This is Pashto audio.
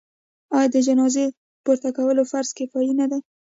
آیا د جنازې پورته کول فرض کفایي نه دی؟